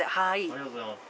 ありがとうございます。